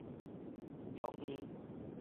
藥方